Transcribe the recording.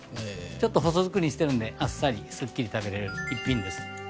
ちょっと細づくりにしてるんであっさりスッキリ食べられる１品です